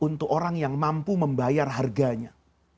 untuk orang yang mampu membayar harganya